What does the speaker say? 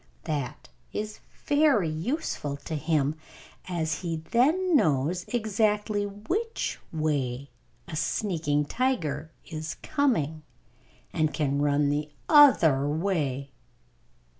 That is very useful to him, as he then knows exactly which way a sneaking tiger is coming, and can run the other way.